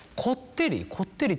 こってり？